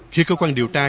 khi cơ quan điều tra